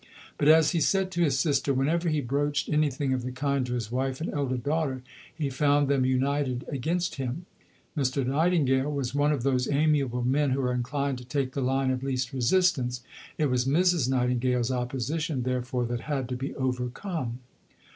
But, as he said to his sister, whenever he broached anything of the kind to his wife and elder daughter, he found them united against him. Mr. Nightingale was one of those amiable men who are inclined to take the line of least resistance. It was Mrs. Nightingale's opposition, therefore, that had to be overcome.